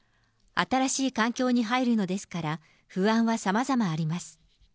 新しい環境に入るのですから、不安はさまざまあります。